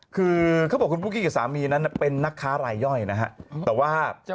คือเขาบอกคุณปุ๊กกี้กับสามีนั้นเป็นนักค้ารายย่อยนะฮะแต่ว่า